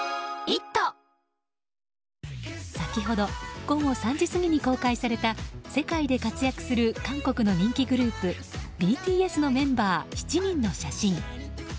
先ほど午後３時過ぎに公開された世界で活躍する韓国の人気グループ、ＢＴＳのメンバー７人の写真。